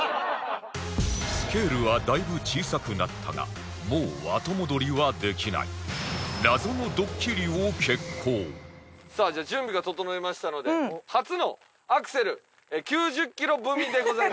スケールはだいぶ小さくなったが謎のドッキリを決行！さあじゃあ準備が整いましたので初のアクセル。